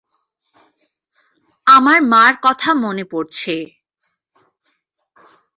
আমার মার কথা মনে পড়ছে।